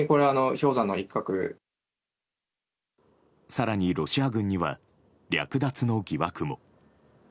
更に、ロシア軍には略奪の疑惑も。